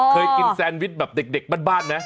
เคยกินแซนวิชแบบเด็กบ้านไหม